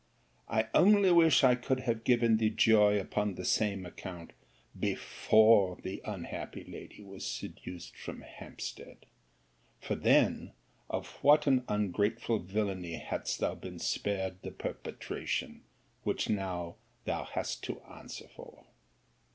I only wish I could have given thee joy upon the same account, before the unhappy lady was seduced from Hampstead; for then of what an ungrateful villany hadst thou been spared the perpetration, which now thou hast to answer for!